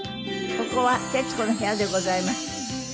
ここは『徹子の部屋』でございます。